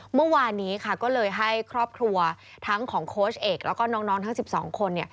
เมื่อวานนี้ค่ะก็เลยให้ครอบครัวทั้งของโค้ชเอกแล้วก็น้องทั้ง๑๒คน